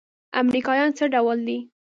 امريکايان څه ډول دي؟